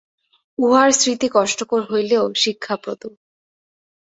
উহার স্মৃতি কষ্টকর হইলেও শিক্ষাপ্রদ।